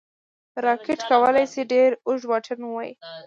راکټ کولی شي ډېر اوږد واټن ووايي